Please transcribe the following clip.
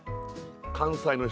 関西の人